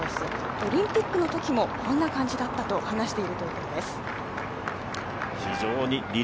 オリンピックのときもこんな感じだったと話しているということです。